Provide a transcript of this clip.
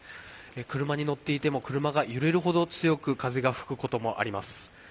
車に乗っていても、車が揺れるほど強く風が吹くこともあります。